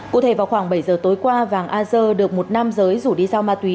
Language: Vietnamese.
cụ thể vào khoảng bảy giờ tối qua vàng ager được một nam giới rủ đi giao ma túy